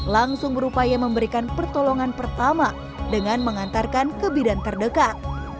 langsung berupaya memberikan pertolongan pertama dengan mengantarkan ke bidan terdekat